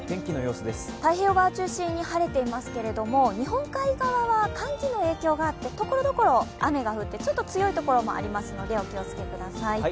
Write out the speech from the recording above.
太平洋側中心に晴れていますが日本海側は寒気の影響があってところどころ雨が降って、ちょっと強いところもありますのでお気を付けください。